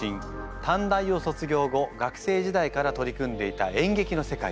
短大を卒業後学生時代から取り組んでいた演劇の世界へ。